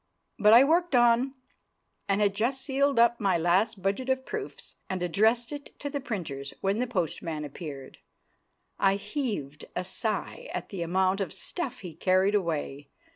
But I worked on, and had just sealed up my last budget of proofs, and addressed it to the printers, when the postman appeared. I heaved a sigh at the amount of stuff he carried away.